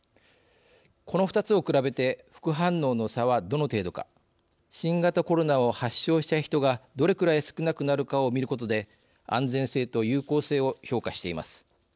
この２つを比べて副反応の差はどの程度か新型コロナを発症した人がどれくらい少なくなるかをみることで安全性と有効性を評価しています。